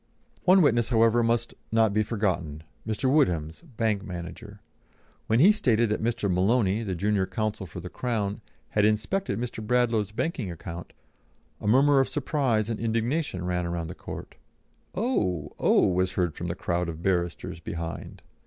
One witness, however, must not be forgotten Mr. Woodhams, bank manager. When he stated that Mr. Maloney, the junior counsel for the Crown, had inspected Mr. Bradlaugh's banking account, a murmur of surprise and indignation ran round the court. "Oh! Oh!" was heard from the crowd of barristers behind.